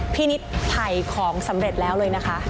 นิดถ่ายของสำเร็จแล้วเลยนะคะ